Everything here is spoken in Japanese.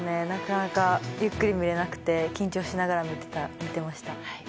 なかなかゆっくり見れなくて緊張しながら見ていました。